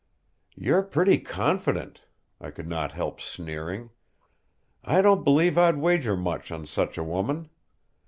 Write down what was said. "You're pretty confident," I could not help sneering. "I don't believe I'd wager much on such a woman.